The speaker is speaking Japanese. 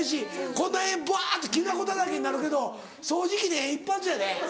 この辺バってきな粉だらけになるけど掃除機で一発やで。